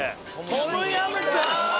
トムヤムクン！